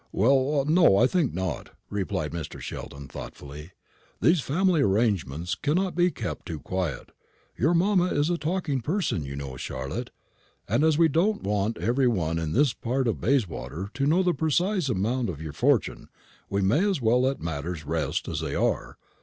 "Well, no, I think not," replied Mr. Sheldon, thoughtfully. "These family arrangements cannot be kept too quiet. Your mamma is a talking person, you know, Charlotte; and as we don't want every one in this part of Bayswater to know the precise amount of your fortune, we may as well let matters rest as they are.